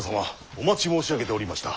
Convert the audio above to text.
お待ち申し上げておりました。